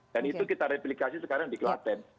dan itu kita replikasi sekarang di klaten